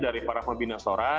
dari para pembina sora